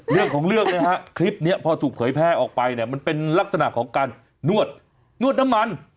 เรื่องของเรื่องนะฮะคลิปนี้พอถูกเผยแพร่ออกไปเนี่ยมันเป็นลักษณะของการนวดน้ำมัน